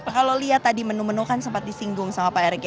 kalau lihat tadi menu menu kan sempat disinggung sama pak erick ya